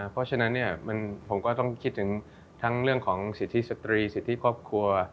เพราะฉะนั้นผมก็ต้องคิดถึงทั้งเรื่องของสิทธิสตรีสิทธิครอบครัว